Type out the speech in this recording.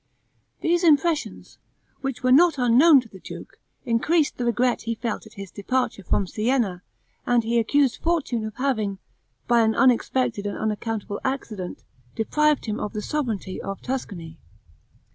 These impressions, which were not unknown to the duke, increased the regret he felt at his departure from Sienna; and he accused fortune of having, by an unexpected and unaccountable accident, deprived him of the sovereignty of Tuscany.